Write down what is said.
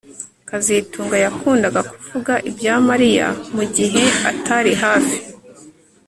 kazitunga yakundaga kuvuga ibya Mariya mugihe atari hafi